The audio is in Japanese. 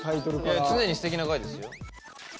いや常にすてきな回ですよ。